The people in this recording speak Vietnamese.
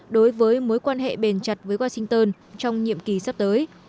đối với mối quan hệ bền chặt với washington trong nhiệm kỳ sắp tới